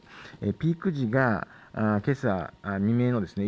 ピーク時が、けさ未明のですね